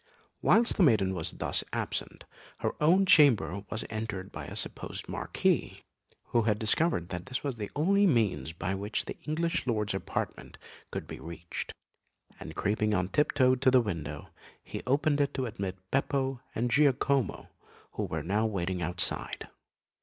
Whilst the maiden was thus absent, her own chamber was entered by the supposed Marquis, who had discovered that this was the only means by which the English lord's apartment could be reached; and creeping on tip toe to the window, he opened it to admit Beppo and Giacomo, who were now waiting outside.